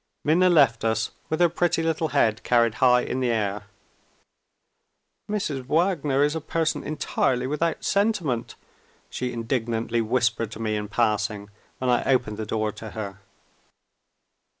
Minna left us, with her pretty little head carried high in the air. "Mrs. Wagner is a person entirely without sentiment!" she indignantly whispered to me in passing, when I opened the door for her.